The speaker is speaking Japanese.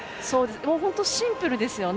本当シンプルですよね。